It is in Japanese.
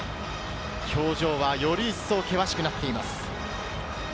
表情はより一層、険しくなっています。